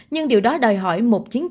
nhưng điều đó đòi hỏi một chiến dịch